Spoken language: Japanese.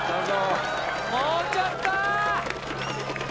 もうちょっと！